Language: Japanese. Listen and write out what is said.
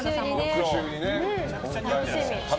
翌週にね。